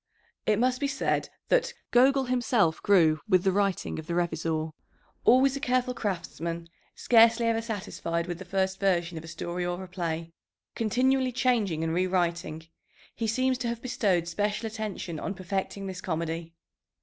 It must be said that "Gogol himself grew with the writing of the Revizor." Always a careful craftsman, scarcely ever satisfied with the first version of a story or a play, continually changing and rewriting, he seems to have bestowed special attention on perfecting this comedy.